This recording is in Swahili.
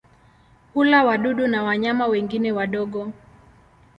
Hula wadudu na wanyama wengine wadogo.